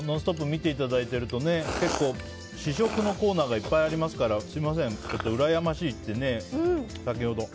見ていただいているとね結構、試食のコーナーがいっぱいありますからすみませんうらやましいって、先ほど。